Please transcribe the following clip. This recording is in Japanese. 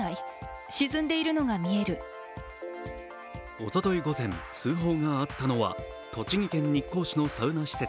おととい午前、通報があったのは栃木県日光市のサウナ施設